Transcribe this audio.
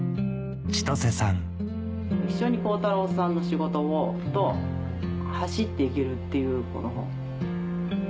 一緒に恒太朗さんの仕事と走っていけるっていう。